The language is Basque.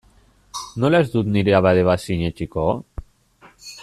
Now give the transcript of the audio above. Nola ez dut nire abade bat sinetsiko?